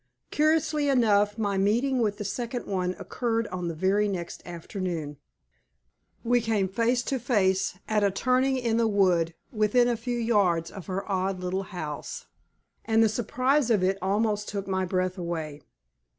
Curiously enough, my meeting with the second one occurred on the very next afternoon. We came face to face at a turning in the wood within a few yards of her odd little house, and the surprise of it almost took my breath away.